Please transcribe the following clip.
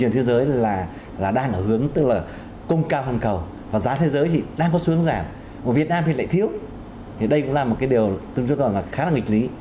thì đây cũng là một cái điều tương tư gọi là khá là nghịch lý